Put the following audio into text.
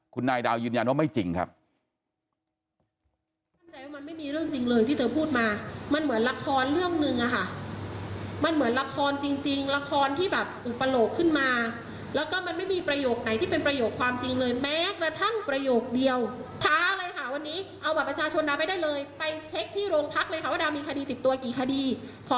คุณนายดาวยืนยันว่าไม่จริงครับ